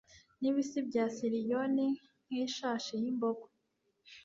n'ibisi bya siriyoni nk'ishashi y'imbogo